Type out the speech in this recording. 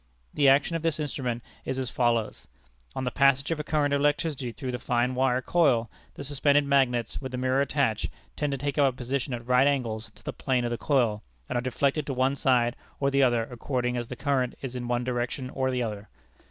The action of this instrument is as follows. On the passage of a current of electricity through the fine wire coil, the suspended magnets with the mirror attached, tend to take up a position at right angles to the plane of the coil, and are deflected to one side or the other according as the current is in one direction or the other.